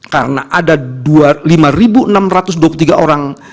karena ada lima enam ratus dua puluh tiga orang